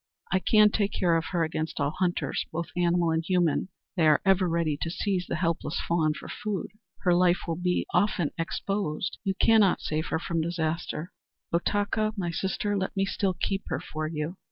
"I can take care of her against all hunters, both animal and human. They are ever ready to seize the helpless fawn for food. Her life will be often exposed. You cannot save her from disaster. O, Takcha, my sister, let me still keep her for you!"